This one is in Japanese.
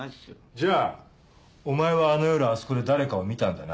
じゃあお前はあの夜あそこで誰かを見たんだな？